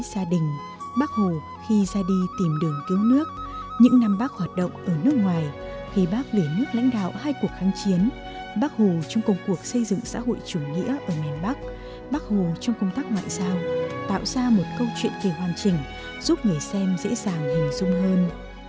tạo ra một câu chuyện kỳ hoàn chỉnh giúp người xem dễ dàng hình dung hơn